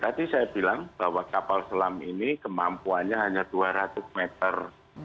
tadi saya bilang bahwa kapal selam ini kemampuannya hanya dua ratus meter